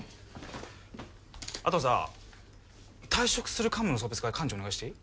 あとさ退職する幹部の送別会幹事お願いしていい？